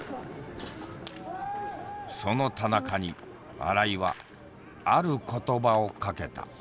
その田中に新井はある言葉をかけた。